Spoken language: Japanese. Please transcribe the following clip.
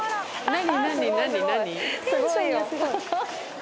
何？